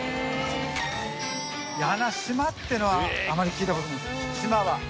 梁島ってのはあまり聞いたことないです島は。